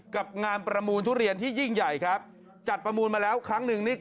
กับงานประมูลทุเรียนที่ยิ่งใหญ่ครับจัดประมูลมาแล้วครั้งหนึ่งนี่